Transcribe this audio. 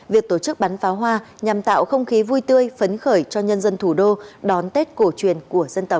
việc tổ chức bắn pháo hoa nhằm tạo không khí vui tươi phấn khởi cho nhân dân thủ đô đón tết cổ truyền của dân tộc